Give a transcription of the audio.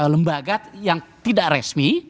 lembaga yang tidak resmi